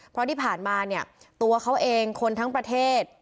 เพราะที่ผ่านมาเนี่ยตัวเขาเองคนทั้งประเทศ